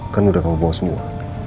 kan udah kamu bawa semua